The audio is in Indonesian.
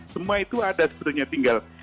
semua itu ada sebetulnya tinggal